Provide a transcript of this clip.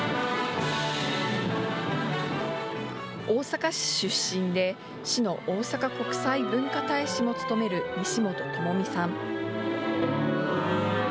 大阪市出身で市の大阪国際文化大使も務める西本智実さん。